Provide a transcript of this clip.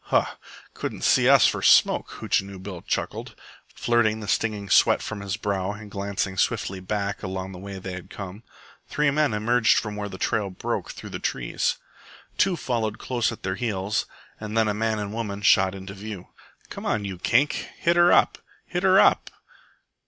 "Huh! couldn't see us for smoke," Hootchinoo Bill chuckled, flirting the stinging sweat from his brow and glancing swiftly back along the way they had come. Three men emerged from where the trail broke through the trees. Two followed close at their heels, and then a man and a woman shot into view. "Come on, you Kink! Hit her up! Hit her up!"